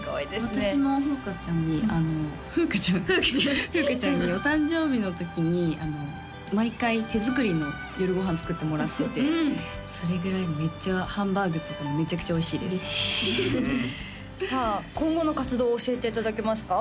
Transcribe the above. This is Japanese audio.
私もふうかちゃんにふうかちゃんふうかちゃんにお誕生日の時に毎回手作りの夜ご飯作ってもらっててそれぐらいハンバーグとかめちゃくちゃおいしいですさあ今後の活動を教えていただけますか？